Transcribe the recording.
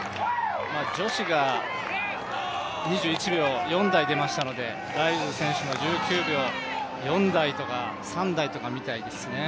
女子が２１秒４台、出ましたのでライルズ選手の１９秒４台とか３台が見たいですね。